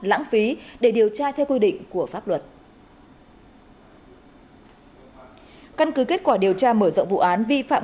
lãng phí để điều tra theo quy định của pháp luật căn cứ kết quả điều tra mở rộng vụ án vi phạm